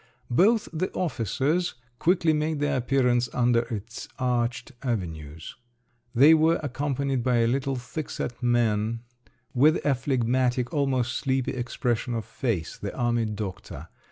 Both the officers quickly made their appearance under its arched avenues; they were accompanied by a little thick set man, with a phlegmatic, almost sleepy, expression of face—the army doctor.